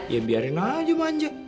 ya biarin aja manja